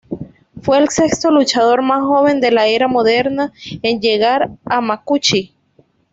Fue el sexto luchador más joven de la era moderna en llegar a "makuuchi".